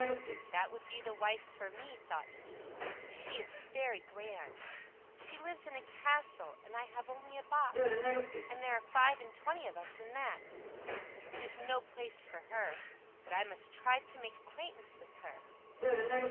"That would be the wife for me," thought he; "but she is very grand. She lives in a castle, and I have only a box, and there are five and twenty of us in that. It is no place for her. But I must try to make acquaintance with her."